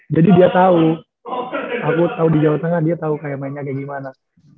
jadi dia tau aku tau di jawa tengah dia tau kayak mainnya kayak gimana